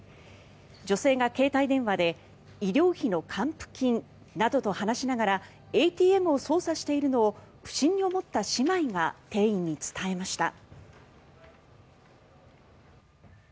女性が携帯電話で医療費の還付金などと話しながらＡＴＭを操作しているのを不審に思った姉妹が店員に伝えました。